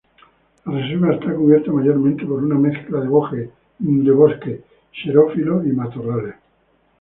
La reserva está cubierta mayormente por una mezcla de bosque xerófilo y matorrales.